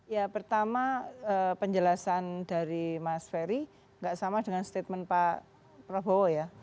ya pertama penjelasan dari mas ferry nggak sama dengan statement pak prabowo ya